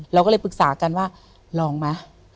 เราก็เลยปรึกษากันว่าลองไหม